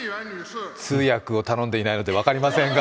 通訳を頼んでいないので、分かりませんが。